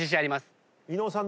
伊野尾さん